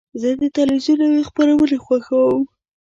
زه د تلویزیون نوی خپرونې خوښوم.